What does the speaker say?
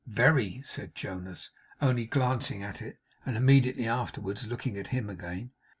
'Very,' said Jonas, only glancing at it, and immediately afterwards looking at him again.